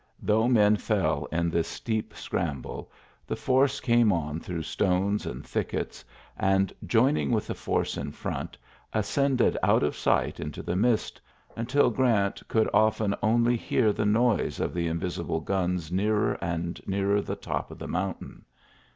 Though men fell in this steep scramble, the force came on through stones and thickets, and, joining with the force in front, ascended out of sight into the mist, until Grant could often only hear the noise of the invisible guns nearer and nearer the top of the moun tain.